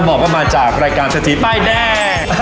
บอกว่ามาจากรายการเศรษฐีป้ายแดง